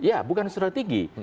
ya bukan strategi